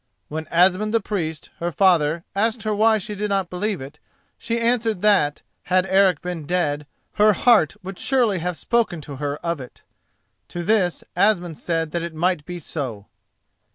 When Asmund the Priest, her father, asked her why she did not believe it, she answered that, had Eric been dead, her heart would surely have spoken to her of it. To this Asmund said that it might be so.